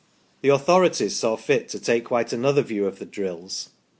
The authorities saw fit to take quite another view of the drills.